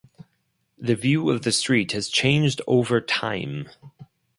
The view of the street has changed over time.